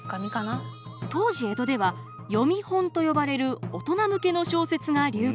当時江戸では読本と呼ばれる大人向けの小説が流行。